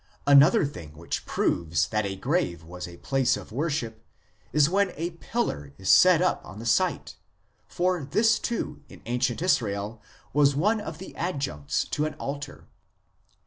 Another thing which proves that a grave was a place of worship is when a pillar (Mazzebah) is set up on the site, for this, too, in ancient Israel was one of the adjuncts to an altar.